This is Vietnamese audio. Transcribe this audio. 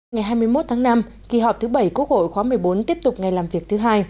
ngày hai mươi một tháng năm kỳ họp thứ bảy quốc hội khóa một mươi bốn tiếp tục ngày làm việc thứ hai